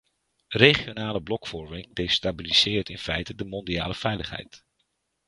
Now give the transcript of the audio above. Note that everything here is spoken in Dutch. Regionale blokvorming destabiliseert in feite de mondiale veiligheid.